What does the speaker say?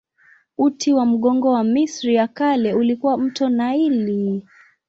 Uti wa mgongo wa Misri ya Kale ulikuwa mto Naili.